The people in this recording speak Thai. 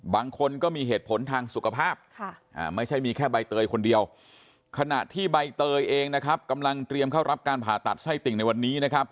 บางคนก็มีเหตุผลทางสุขภาพไม่ใช่มีแค่ใบเตยคนเดียวขณะที่ใบเตยเองนะครับกำลังเตรียมเข้ารับการผ่าตัดไส้ติ่งในวันนี้นะครับ